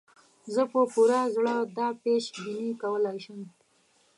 زه په پوره زړه دا پېش بیني کولای شم.